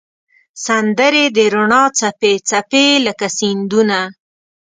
سندرې د روڼا څپې، څپې لکه سیندونه